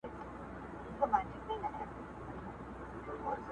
o چي څه کرې، هغه به رېبې٫